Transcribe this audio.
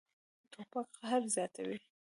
توپک قهر زیاتوي.